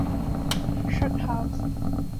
Short House.